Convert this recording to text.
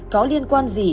có liên quan gì